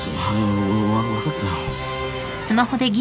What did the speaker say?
わっ分かったよ。